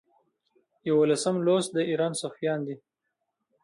یوولسم لوست د ایران صفویان دي.